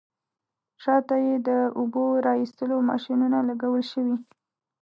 شاته یې د اوبو را ایستلو ماشینونه لګول شوي.